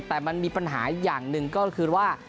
แต่มันมีปัญหาอย่างหนึ่งก็คือว่า